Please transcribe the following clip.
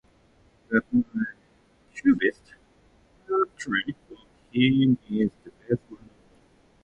But my cubist portrait of him is the best one of all.